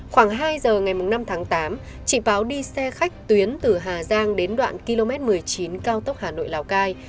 khoảng hai giờ ngày năm tháng tám chị báo đi xe khách tuyến từ hà giang đến đoạn km một mươi chín cao tốc hà nội lào cai